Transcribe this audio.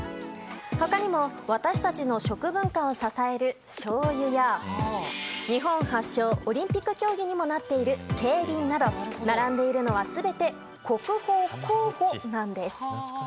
他にも私たちの食文化を支えるしょうゆや日本発祥、オリンピック競技にもなっている競輪など並んでいるのは全て国宝候補なんです。